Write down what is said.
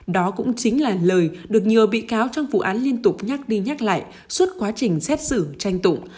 đó cũng chính là lời được nhiều bị cáo trong vụ án liên tục nhắc đi nhắc lại suốt quá trình xét xử tranh tụng